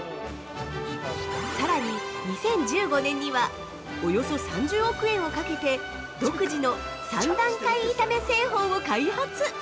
さらに、２０１５年には約３０億円をかけて独自の３段階炒め製法を開発。